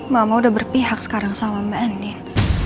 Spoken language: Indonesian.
mama udah berpihak sekarang sama mbak andin